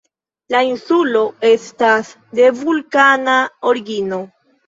La insulo estas de vulkana origino.